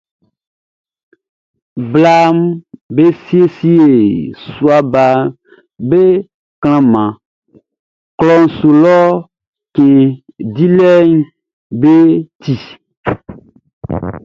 Blaʼm be siesie sua baʼm be klanman klɔʼn su lɔ cɛn dilɛʼm be ti.